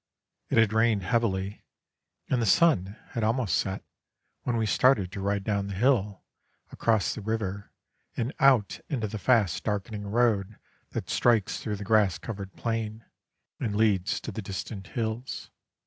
It had rained heavily, and the sun had almost set when we started to ride down the hill, across the river, and out into the fast darkening road that strikes through the grass covered plain, and leads to the distant hills.